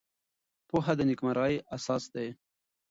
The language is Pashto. پوهه د نېکمرغۍ اساس دی.